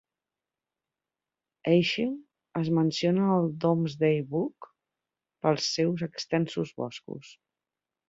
Ashill es menciona en el Domesday Book pels seu extensos boscos.